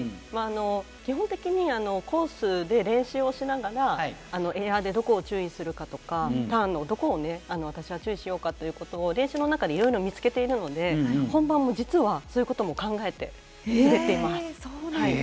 基本的にコースで練習をしながらエアでどこを注意するかとかターンのどこを私は注意しようかというのを練習の中でいろいろ見つけているので本番でもそういうことも考えて滑っています。